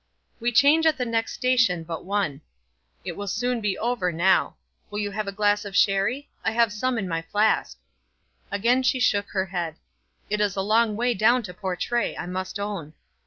"We change at the next station but one. It will soon be over now. Will you have a glass of sherry? I have some in my flask." Again she shook her head. "It is a long way down to Portray, I must own."